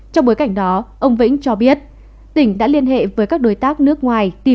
trong bối cảnh đó ông vĩnh cho biết tỉnh đã liên hệ với các đối tác nước ngoài